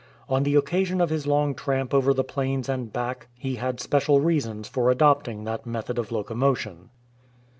On the occasion of his long tramp over the plains and back, he had special reasons for adopting that method of locomo tion.